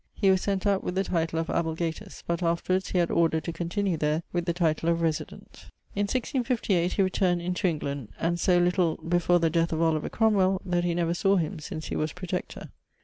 He was sent out with the title of ablegatus, but afterwards he had order to continue there with the title of Resident. In 1658 he returned into England and so little before the death of Oliver Cromwell that he never sawe him since he was Protector.